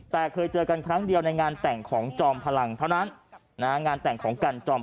แต่เคยเจอกันครั้งเดียวในงานแต่งของจอมพลังเท่านั้น